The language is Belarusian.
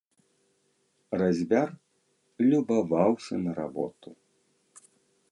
Разьбяр любаваўся на работу.